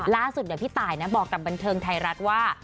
ล่าสุดเดี๋ยวพี่ตายนะบอกกับบันเทิงไทยรัฐว่า